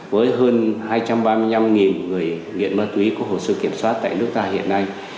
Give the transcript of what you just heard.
với hơn hai trăm ba mươi năm người nghiện ma túy có hồ sơ kiểm soát tại nước ta hiện nay